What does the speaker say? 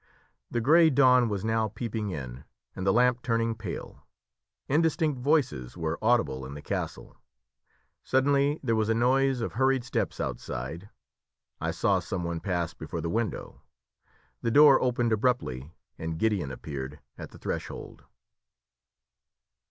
The grey dawn was now peeping in, and the lamp turning pale. Indistinct voices were audible in the castle. Suddenly there was a noise of hurried steps outside. I saw some one pass before the window, the door opened abruptly, and Gideon appeared at the threshold.